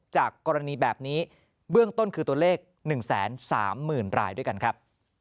จากกรณีแบบนี้เบื้องต้นคือตัวเลข๑๓๐๐๐รายด้วยกันครับ